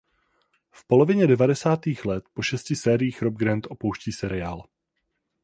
V polovině devadesátých let po šesti sériích Rob Grant opouští seriál.